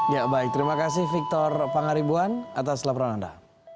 ya baik terima kasih victor pangaribuan atas laporan anda